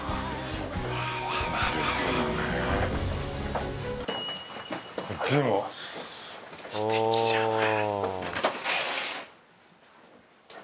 すてきじゃない。